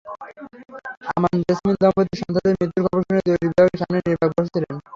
আমান-জেসমিন দম্পতি সন্তানদের মৃত্যুর খবর শুনে জরুরি বিভাগের সামনে নির্বাক বসে ছিলেন।